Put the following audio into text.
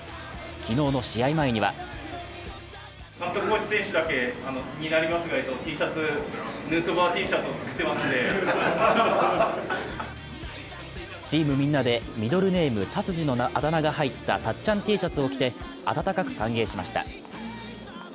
昨日の試合前にはチームみんなでミドルネーム・タツジのあだ名が入ったたっちゃんＴシャツを着て温かく歓迎しました。